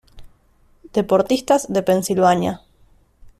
Deportistas de Pensilvania